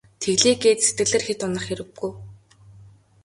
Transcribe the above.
Тэглээ гээд сэтгэлээр хэт унах хэрэггүй.